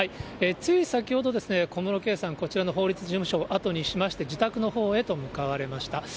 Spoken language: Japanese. つい先ほどですね、小室圭さん、こちらの法律事務所を後にしまして、自宅のほうへと向かわれました。